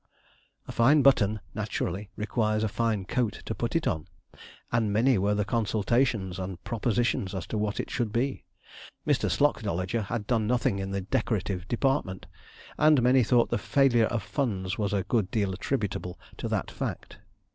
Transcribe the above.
A fine button naturally requires a fine coat to put it on, and many were the consultations and propositions as to what it should be. Mr. Slocdolager had done nothing in the decorative department, and many thought the failure of funds was a good deal attributable to that fact.